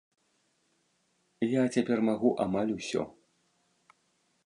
Я цяпер магу амаль усё.